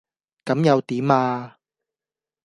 咁又點呀?